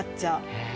へえ。